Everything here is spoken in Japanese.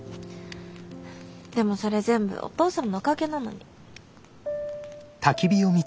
でもそれ全部お父さんのおかげなのに。